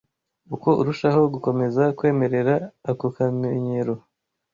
Uko urushaho gukomeza kwemerera ako kamenyero